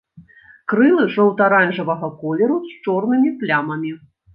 Крылы жоўта-аранжавага колеру з чорнымі плямамі.